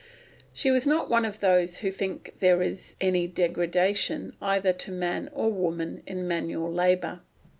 She was not one of those who think there is any degradation, either to man or woman, in manual labour.